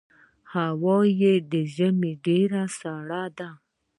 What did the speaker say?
هوا یې د ژمي ډېره سړه ده.